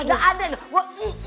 nggak ada gue